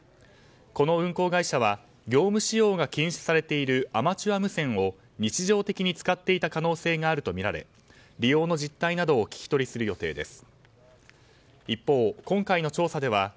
この運航会社は業務使用が禁止されているアマチュア無線を日常的に使っていた可能性があるとみられ利用の実態などを聞き取りする予定です。